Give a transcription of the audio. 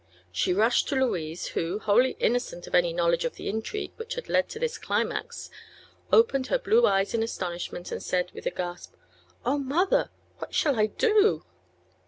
She rushed to Louise, who, wholly innocent of any knowledge of the intrigue which had led to this climax, opened her blue eyes in astonishment and said with a gasp: "Oh, mother! what shall I do?"